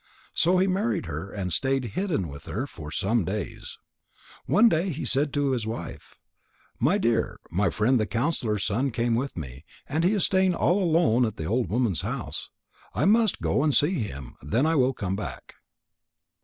So he married her and stayed hidden with her for some days. One day he said to his wife: "My dear, my friend the counsellor's son came with me, and he is staying all alone at the old woman's house. I must go and see him, then I will come back."